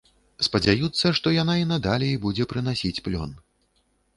Спадзяюцца, што яна і надалей будзе прыносіць плён.